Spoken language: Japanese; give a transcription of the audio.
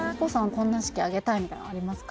こんな式挙げたいみたいなのありますか？